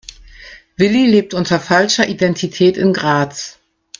Willi lebt unter falscher Identität in Graz.